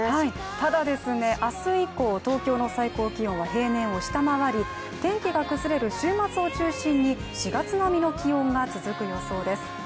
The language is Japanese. ただ、明日以降、東京の最高気温は平年を下回り、天気が崩れる週末を中心に４月並みの気温が続く予想です。